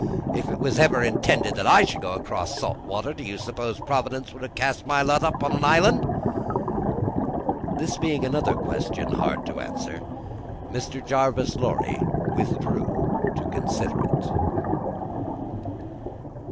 "If it was ever intended that I should go across salt water, do you suppose Providence would have cast my lot in an island?" This being another question hard to answer, Mr. Jarvis Lorry withdrew to consider it.